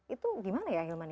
itu gimana ya ahilman